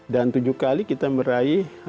dan tujuh kali kita meraih